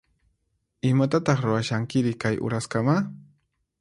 Imatataq ruwashankiri kay uraskama?